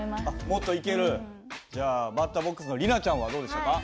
もっといける？じゃあバッターボックスの里奈ちゃんはどうでしたか？